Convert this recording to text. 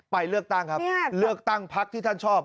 ไปเลือกตั้งครับเลือกตั้งพักที่ท่านชอบ